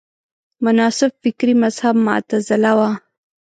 مناسب فکري مذهب معتزله وه